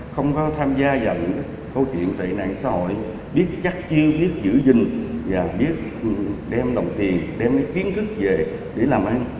không có tham gia vào những câu chuyện tệ nạn xã hội biết chắc chưa biết giữ gìn và biết đem đồng tiền đem cái kiến thức về để làm ăn